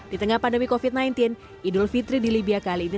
di tengah pandemi covid sembilan belas idul fitri di libya kali ini